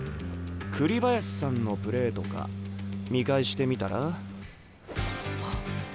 栗林さんのプレーとか見返してみたら？